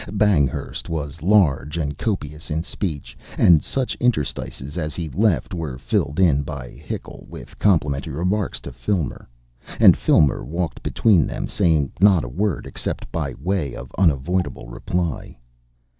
Banghurst was large and copious in speech, and such interstices as he left were filled in by Hickle with complimentary remarks to Filmer. And Filmer walked between them saying not a word except by way of unavoidable reply.